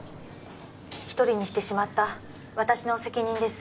一人にしてしまった私の責任です